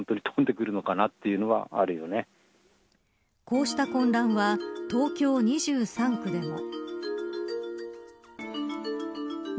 こうした混乱は東京２３区でも。